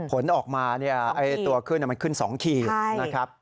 ผลออกมาตัวขึ้นมันขึ้น๒ขีดนะครับ